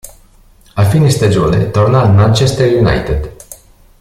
A fine stagione torna al Manchester United.